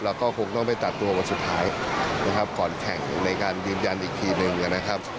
เราก็คงต้องไปตัดตัววันสุดท้ายนะครับก่อนแข่งในการยืนยันอีกทีหนึ่งนะครับ